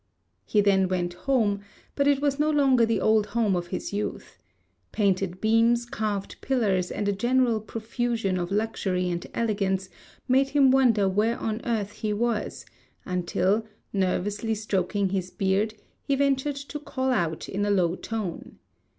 He then went home, but it was no longer the old home of his youth. Painted beams, carved pillars, and a general profusion of luxury and elegance, made him wonder where on earth he was; until, nervously stroking his beard, he ventured to call out in a low tone.